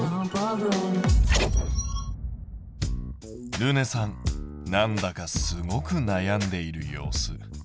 るねさんなんだかすごく悩んでいる様子。